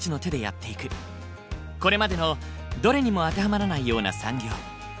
これまでのどれにも当てはまらないような産業。